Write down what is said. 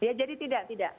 ya jadi tidak tidak